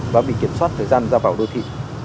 và bị kiểm soát thời gian ra vào đô thị